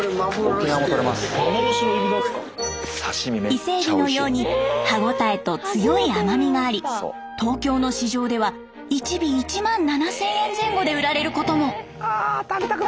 伊勢エビのように歯応えと強い甘みがあり東京の市場では１尾１万７，０００円前後で売られることも。